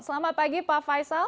selamat pagi pak faisal